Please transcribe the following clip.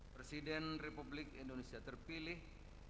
presiden republik indonesia terpilih